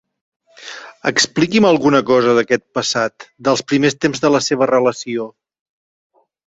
Expliqui'm alguna cosa d'aquest passat, dels primers temps de la seva relació.